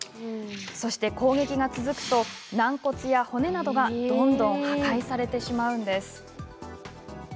そして、攻撃が続くと軟骨や骨などがどんどん破壊されてしまうんです。